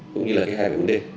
cũng như là cái hai mươi bốn d